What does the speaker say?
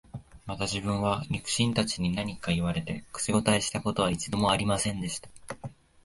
また自分は、肉親たちに何か言われて、口応えした事は一度も有りませんでした